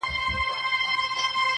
هر شعر باید پیغام ولري -